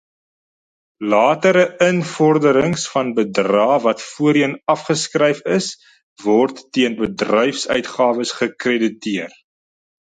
Latere invorderings van bedrae wat voorheen afgeskryf is, word teen bedryfsuitgawes gekrediteer.